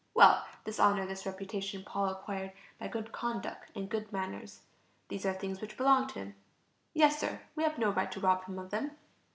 Well, this honor, this reputation, Paul acquired by good conduct and good manners. These are things which belong to him. Yes, Sir; we have no right to rob him of them.